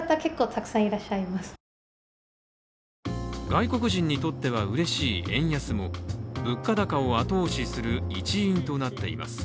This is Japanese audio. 外国人にとってはうれしい円安も、物価高を後押しする一因となっています。